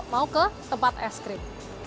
mau ke tempat es krim